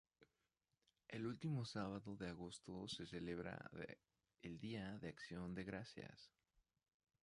El último sábado de agosto se celebra el día de Acción de Gracias.